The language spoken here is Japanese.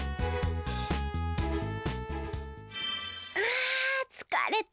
あつかれた。